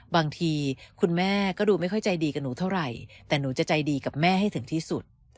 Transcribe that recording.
บางทีคุณแม่ก็ดูไม่ค่อยใจดีกับหนูเท่าไหร่แต่หนูจะใจดีกับแม่ให้ถึงที่สุด